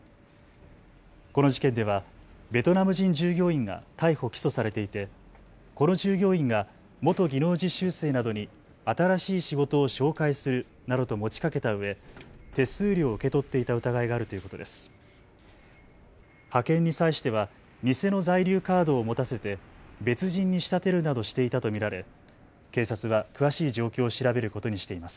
この事件ではベトナム人従業員が逮捕・起訴されていて、この従業員が元技能実習生などに新しい仕事を紹介するなどと持ちかけたうえ手数料を受け取っていた疑いがあるということです。